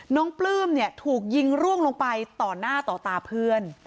น้องปลื้มถูกยิงล่วงลงไปต่อหน้าต่อตาเพื่อน